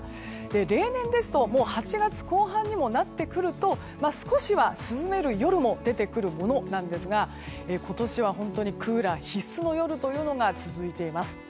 例年ですと８月後半にもなってくると少しは涼める夜も出てくるものなんですが今年は本当にクーラー必須の夜というのが続いています。